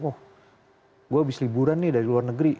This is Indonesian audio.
oh gue habis liburan nih dari luar negeri